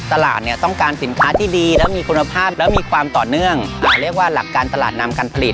ตลาดเนี่ยต้องการสินค้าที่ดีและมีคุณภาพแล้วมีความต่อเนื่องอ่าเรียกว่าหลักการตลาดนำการผลิต